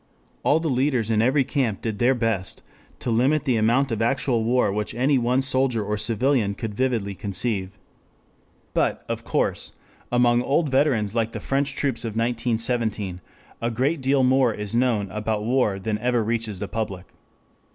All the leaders in every camp did their best to limit the amount of actual war which any one soldier or civilian could vividly conceive. But, of course, among old veterans like the French troops of 1917, a great deal more is known about war than ever reaches the public.